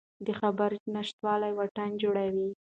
د خبرو نشتوالی واټن جوړوي